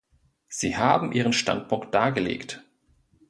Sie haben Ihren Standpunkt dargelegt.